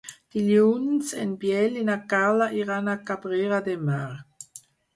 Dilluns en Biel i na Carla iran a Cabrera de Mar.